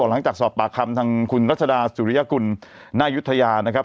หลังจากสอบปากคำทางคุณรัชดาสุริยกุลนายุธยานะครับ